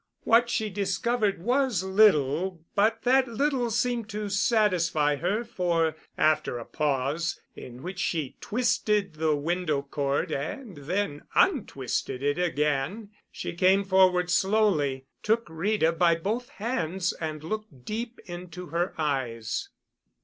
What she discovered was little, but that little seemed to satisfy her, for, after a pause, in which she twisted the window cord and then untwisted it again, she came forward slowly, took Rita by both hands and looked deep into her eyes.